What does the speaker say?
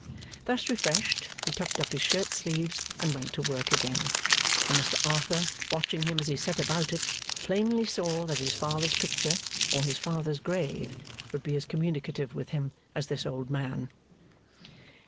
Thus refreshed, he tucked up his shirt sleeves and went to work again; and Mr Arthur, watching him as he set about it, plainly saw that his father's picture, or his father's grave, would be as communicative with him as this old man.